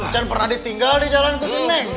jangan pernah ditinggal di jalan kusim neng